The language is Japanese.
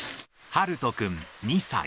はるとくん２歳。